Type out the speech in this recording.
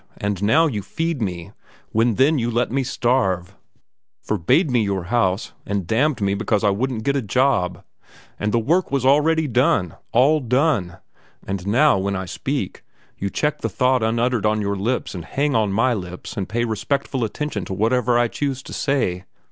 And now you feed me, when then you let me starve, forbade me your house, and damned me because I wouldn't get a job. And the work was already done, all done. And now, when I speak, you check the thought unuttered on your lips and hang on my lips and pay respectful attention to whatever I choose to say.